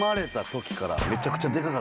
めちゃくちゃ。